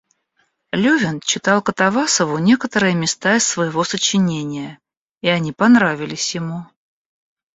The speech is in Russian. Левин читал Катавасову некоторые места из своего сочинения, и они понравились ему.